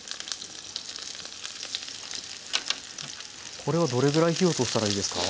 これはどれぐらい火を通したらいいですか？